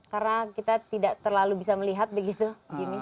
karena kita tidak terlalu bisa melihat begitu jimmy